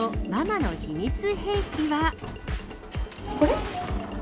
これ！